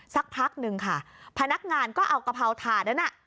สักพักนึงค่ะพนักงานก็เอากะเพราถาดนั้นน่ะ